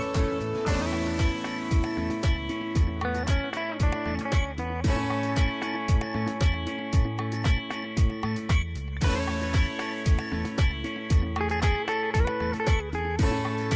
โปรดติดตามตอนต่อไป